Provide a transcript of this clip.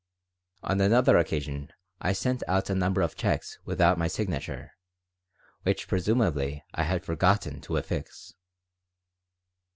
On another occasion I sent out a number of checks without my signature, which presumably I had forgotten to affix.